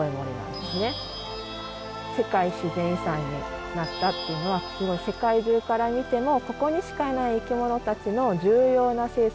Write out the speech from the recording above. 世界自然遺産になったっていうのはすごい世界中から見てもここにしかいない生き物たちの重要な生息場所ということで世界遺産になってるんですね。